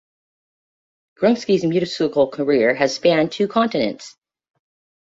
Grunsky's musical career has spanned two continents.